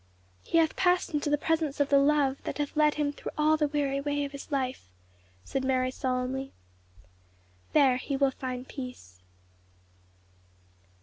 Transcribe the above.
"He hath passed into the presence of the Love that hath led him through all the weary way of his life," said Mary solemnly. "There will he find peace."